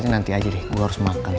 nanti aja deh gue harus makan